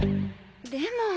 でも。